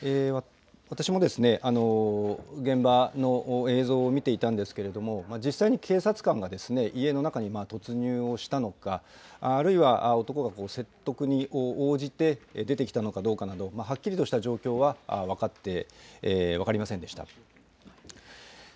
私も、現場の映像を見ていたんですけれども、実際に警察官が家の中に突入をしたのか、あるいは男が説得に応じて出てきたのかどうかなど、はっきりとした状況は分かりませんでした。